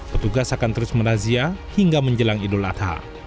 petugas akan terus merazia hingga menjelang idul adha